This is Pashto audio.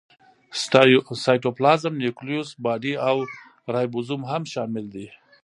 سایټوپلازم، نیوکلیوس باډي او رایبوزوم هم شامل دي.